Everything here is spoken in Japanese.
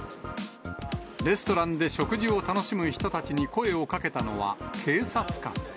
レストランで食事を楽しむ人たちに声をかけたのは、警察官。